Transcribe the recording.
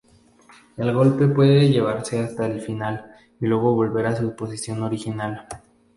El golpe puede llevarse hasta el final y luego volver a su posición original.